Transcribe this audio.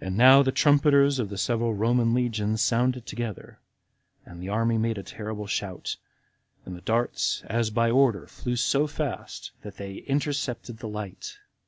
27. And now the trumpetersAnd now the trumpeters of the several Roman legions sounded together, and the army made a terrible shout; and the darts, as by order, flew so fast, that they intercepted the light.